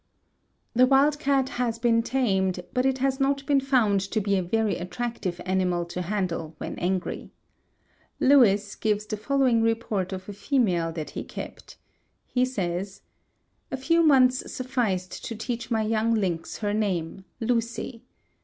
The wild cat has been tamed but it has not been found to be a very attractive animal to handle when angry. Loewis gives the following report of a female that he kept. He says: "A few months sufficed to teach my young lynx her name, 'Lucy.'